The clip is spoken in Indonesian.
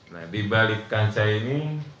nah dibalikkan saya ini